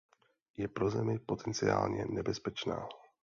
Je pro Zemi potenciálně nebezpečná.